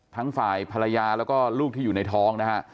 ทั้งฝ่ายภรรยาแล้วก็ลูกที่อยู่ในท้องนะฮะ